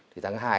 thì tháng hai